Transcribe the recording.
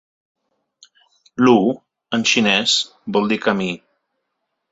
Lu’ en xinès vol dir ‘camí’.